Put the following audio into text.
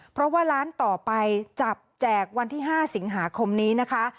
เพราะว่าร้านต่อไปจับแจกวันที่๕สิงหาคมนี้นะคะ